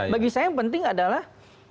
bagi saya yang penting adalah